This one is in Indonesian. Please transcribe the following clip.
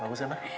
bagus ya ma